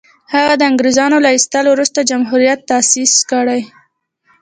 هغه د انګرېزانو له ایستلو وروسته جمهوریت تاءسیس کړي.